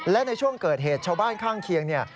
และในช่วงเกิดเหตุชาวบ้านข้างเคียงเนี่ย